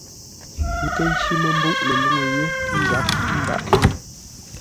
Ə́ nkə́ ncí mə́ mbûʼ ləluŋú yé ńzáp ńdâʼ ngô.